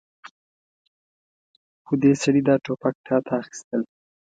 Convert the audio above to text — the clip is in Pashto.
خو دې سړي دا ټوپک تاته اخيستل.